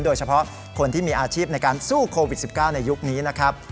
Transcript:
โดยเฉพาะคนที่มีอาชีพในการสู้โควิด๑๙ในยุคนี้นะครับ